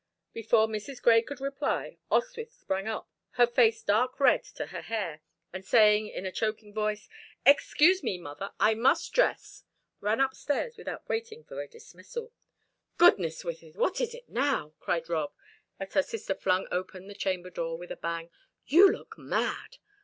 Before Mrs. Grey could reply Oswyth sprang up, her face dark red to her hair, and saying in a choking voice, "Excuse me, mother; I must dress," ran upstairs without waiting for a dismissal. "Goodness, Wythie, what is it now?" cried Rob, as her sister flung open the chamber door with a bang. "You look mad."